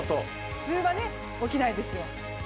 普通はね、起きないですよ。